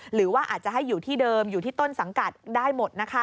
หรือว่าอาจจะให้อยู่ที่เดิมอยู่ที่ต้นสังกัดได้หมดนะคะ